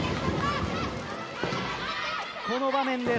この場面です。